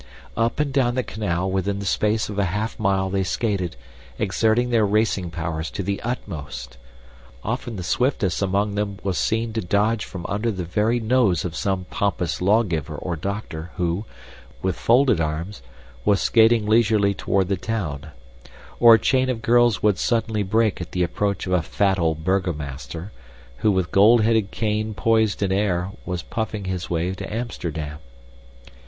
Up and down the canal within the space of a half mile they skated, exerting their racing powers to the utmost. Often the swiftest among them was seen to dodge from under the very nose of some pompous lawgiver or doctor who, with folded arms, was skating leisurely toward the town; or a chain of girls would suddenly break at the approach of a fat old burgomaster who, with gold headed cane poised in air, was puffing his way to Amsterdam.